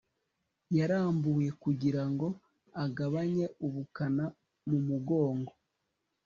yarambuye kugira ngo agabanye ubukana mu mugongo